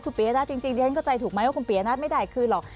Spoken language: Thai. คุณปียนัทจริงเรียนเข้าใจถูกไหมว่าคุณปียนัทไม่ได้คืนหรอก